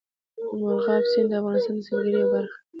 مورغاب سیند د افغانستان د سیلګرۍ یوه برخه ده.